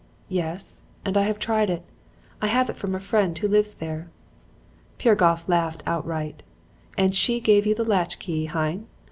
"'Yes, and I have tried it. I had it from a friend who lives there.' "Piragoff laughed outright. 'And she gave you the latch key, hein?